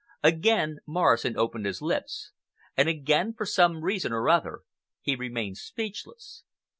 Again Morrison opened his lips, and again, for some reason or other, he remained speechless.